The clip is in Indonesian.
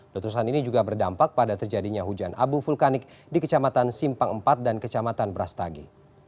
letusan ini juga berdampak pada terjadinya hujan abu vulkanik di kecamatan simpang empat dan kecamatan brastagi